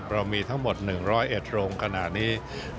เรามีทั้งหมด๑๐๑โรงขณะนี้